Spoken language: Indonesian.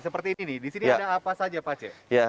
seperti ini nih di sini ada apa saja pak c